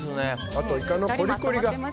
あと、イカのコリコリが。